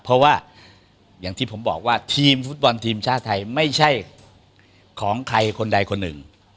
เพราะว่าอย่างที่ผมบอกว่าทีมฟุตบอลทีมชาติไทยไม่ใช่ของใครคนใดคนหนึ่ง